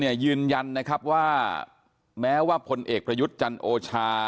ยืนยันนะครับว่าแม้ว่าพลเอกประยุทธ์จันโอชา